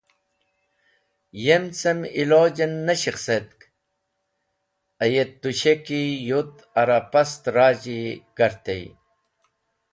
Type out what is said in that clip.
Yem cem iloj en ne shikhsetk, ayet tusheki yut ara pastrazhi kartey.